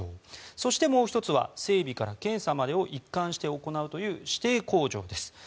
そして、もう１つは整備から検査までを一貫して行うという指定工場です。